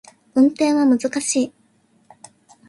運転は難しい